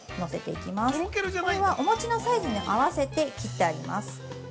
これは、お餅のサイズに合わせて切ってあります。